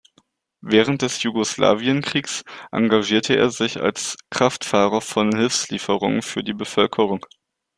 Während des Jugoslawien-Kriegs engagierte er sich als Kraftfahrer von Hilfslieferungen für die Bevölkerung.